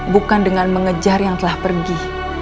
bukan dengan mengejar yang telah pergi